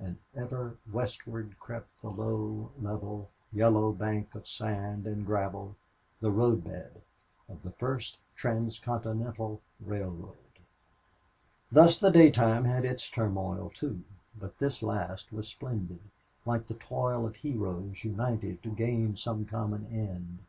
And ever westward crept the low, level, yellow bank of sand and gravel the road bed of the first transcontinental railway. Thus the daytime had its turmoil, too, but this last was splendid, like the toil of heroes united to gain some common end.